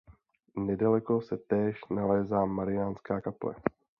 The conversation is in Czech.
Nedaleko se též nalézá Mariánská kaple.